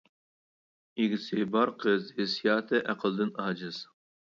ئىگىسى بار قىز ھېسسىياتى ئەقلىدىن ئاجىز.